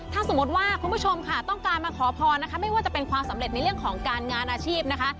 ถ้าสมมติว่าคุณผู้ชมค่ะต้องการมาขอพรนะคะไม่ว่าจะเป็นความสำเร็จในเรื่องของการงานอาชีพนะคะ